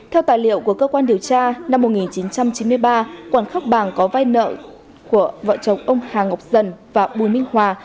theo tài liệu của cơ quan điều tra năm một nghìn chín trăm chín mươi ba quản khắp bảng có vai nợ của vợ chồng ông hà ngọc dân và bùi minh hòa